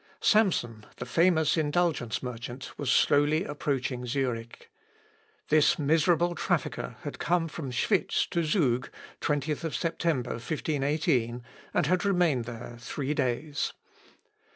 Samson, the famous indulgence merchant, was slowly approaching Zurich. This miserable trafficker had come from Schwitz to Zug, 20th September, 1518, and had remained there three days.